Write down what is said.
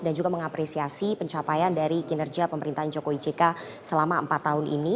dan juga mengapresiasi pencapaian dari kinerja pemerintahan jokowi jk selama empat tahun ini